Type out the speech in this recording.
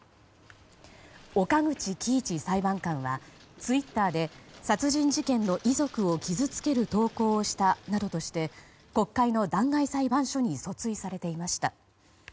岡口基一裁判官はツイッターで殺人事件の遺族を傷つける投稿をしたなどとして国会の弾劾裁判所に訴追されていました。